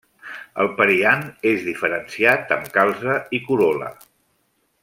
El periant és diferenciat, amb calze i corol·la.